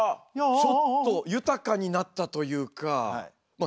ちょっと豊かになったというかまあ